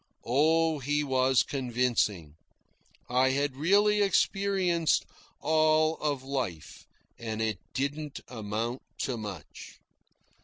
Oh, he was convincing. I had really experienced all of life, and it didn't amount to much.